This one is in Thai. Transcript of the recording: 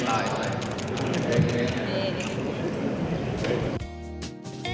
คุณเรียสโรงเพลง